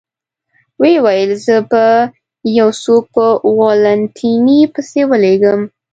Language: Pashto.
ویې ویل: زه به یو څوک په والنتیني پسې ولېږم.